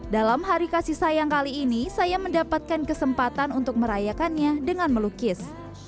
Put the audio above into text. dalam hari kasih sayang kali ini saya mendapatkan kesempatan untuk merayakannya dengan melukis